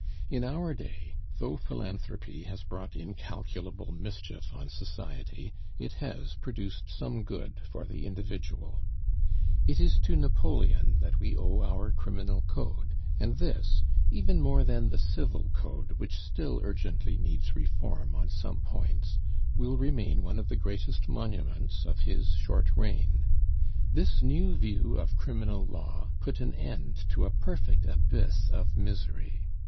In our day, though philanthropy has brought incalculable mischief on society, it has produced some good for the individual. It is to Napoleon that we owe our Criminal Code; and this, even more than the Civil Code which still urgently needs reform on some points will remain one of the greatest monuments of his short reign. This new view of criminal law put an end to a perfect abyss of misery.